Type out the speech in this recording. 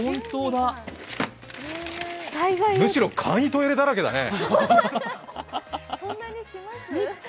むしろ簡易トイレだらけだね。